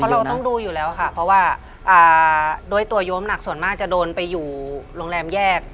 เราต้องดูอยู่แล้วค่ะเพราะว่าด้วยตัวโยมหนักส่วนมากจะโดนไปอยู่โรงแรมแยก